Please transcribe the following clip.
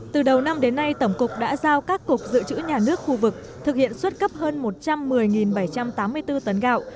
từ đầu năm đến nay tổng cục đã giao các cục dự trữ nhà nước khu vực thực hiện xuất cấp hơn một trăm một mươi bảy trăm tám mươi bốn tấn gạo